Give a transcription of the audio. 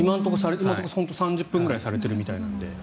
今のところ３０分くらいされているみたいなので。